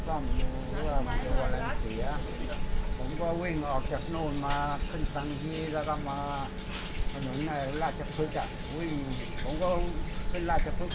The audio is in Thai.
ผมก็วิ่งออกจากโน่นมาขึ้นทางนี้แล้วก็มาผนุนราชภึกอ่ะ